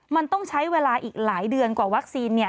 มันต้องใช้เวลาอีกหลายเดือนกว่าวัคซีนเนี่ย